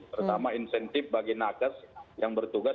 pertama insentif bagi nakes yang bertugas